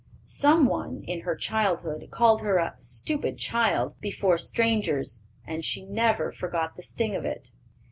Some one, in her childhood, called her a "stupid child" before strangers, and she never forgot the sting of it.